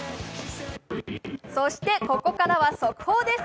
そして、ここからは速報です。